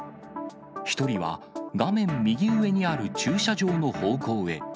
１人は画面右上にある駐車場の方向へ。